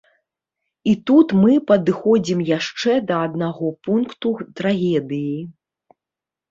І тут мы падыходзім яшчэ да аднаго пункту трагедыі.